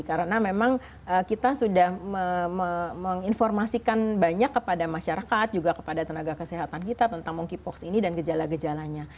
karena memang kita sudah menginformasikan banyak kepada masyarakat juga kepada tenaga kesehatan kita tentang monkeypox ini dan gejala gejalanya